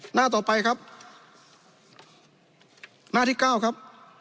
หน้าต่อไปครับหน้าที่เก้าครับ